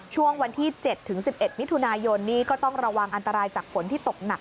ช่วงวันที่๗๑๑มิถุนายนนี้ก็ต้องระวังอันตรายจากฝนที่ตกหนัก